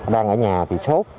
đang ở nhà thì sốt